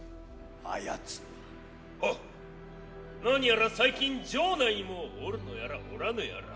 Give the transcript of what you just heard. なにやら最近城内にもおるのやらおらぬやら。